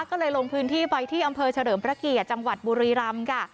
ก็เลยลงพื้นที่ไปที่อำเภอเฉลิมพระเกียรติจังหวัดบุรีรำค่ะ